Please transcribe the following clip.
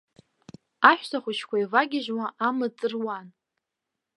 Аҳәсахәыҷқәа еивагьежьуа амаҵ руан.